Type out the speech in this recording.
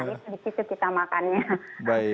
itu di situ kita makannya